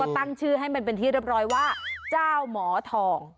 ตั้งชื่อให้มันเป็นที่เรียบร้อยว่าเจ้าหมอทอง